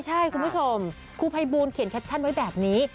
ใช่คุณผู้ชมครูภัยบูลเขียนแคปชั่นไว้แบบนี้